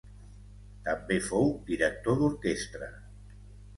També fou director d'orquestra.